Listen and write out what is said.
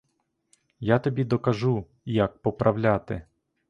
Я тобі докажу, як поправляти!